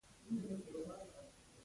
تر سهاره زما لمنې ته راتوی کړئ